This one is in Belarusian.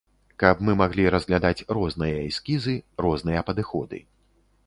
Каб мы маглі разглядаць розныя эскізы, розныя падыходы.